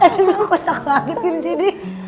aduh lo kocak banget sini sini